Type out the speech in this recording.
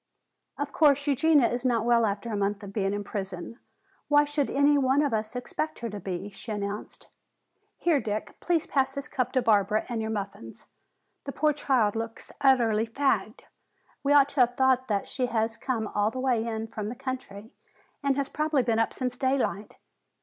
"Of course, Eugenia is not well after a month of being in prison. Why should any one of us expect her to be?" she announced. "Here, Dick, please pass this cup to Barbara and your muffins. The poor child looks utterly fagged! We ought to have thought that she has come all the way in from the country and has probably been up since daylight.